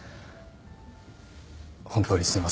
本当にすいません。